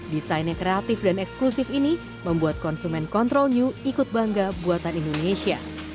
desain yang kreatif dan eksklusif ini membuat konsumen control new ikut bangga buatan indonesia